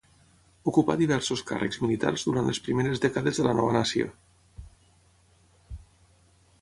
Ocupà diversos càrrecs militars durant les primeres dècades de la nova nació.